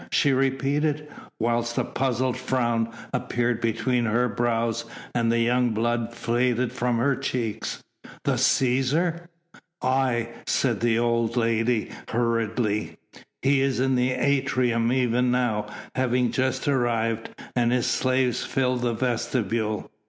she repeated, whilst a puzzled frown appeared between her brows and the young blood faded from her cheeks. "The Cæsar?" "Aye," said the old woman hurriedly. "He is in the atrium even now, having just arrived, and his slaves fill the vestibule.